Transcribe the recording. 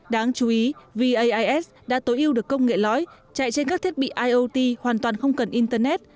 đáng chú ý vas đã tối ưu được công nghệ lói chạy trên các thiết bị iot hoàn toàn không cần internet